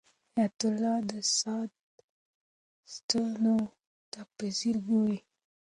حیات الله د ساعت ستنو ته په ځیر ګوري.